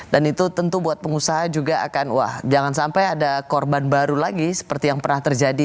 dan itu tentu buat pengusaha juga akan wah jangan sampai ada korban baru lagi seperti yang pernah terjadi